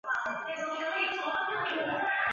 戈阿人口变化图示